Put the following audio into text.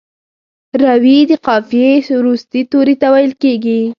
روي د قافیې وروستي توري ته ویل کیږي.